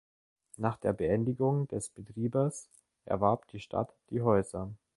Nach der Beendigung des Betriebes erwarb die Stadt die Häuser.